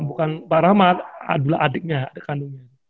bukan pak rahmat adalah adiknya adik kandungnya